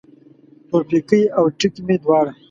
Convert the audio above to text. تورپیکی او ټیک مې دواړه